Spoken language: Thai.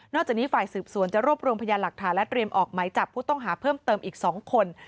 จากนี้ฝ่ายสืบสวนจะรวบรวมพยานหลักฐานและเตรียมออกหมายจับผู้ต้องหาเพิ่มเติมอีก๒คน